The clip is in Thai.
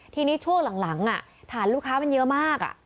ทีนี้ช่วงหลังฐานลูกค้ามันเยอะมาก